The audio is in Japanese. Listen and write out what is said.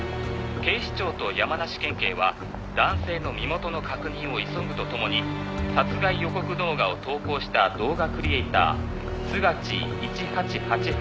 「警視庁と山梨県警は男性の身元の確認を急ぐと共に殺害予告動画を投稿した動画クリエイタースガチー１８８８